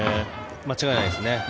間違いないですね。